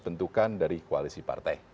bentukan dari koalisi partai